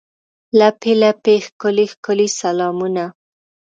لپې، لپې ښکلي، ښکلي سلامونه